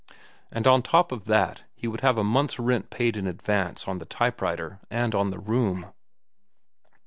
And on top of that he would have a month's rent paid in advance on the type writer and on the room.